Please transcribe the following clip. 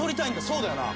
そうだよな？